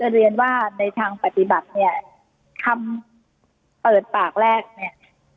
เรียนว่าในทางปฏิบัติเนี่ยคำเปิดปากแรกเนี่ย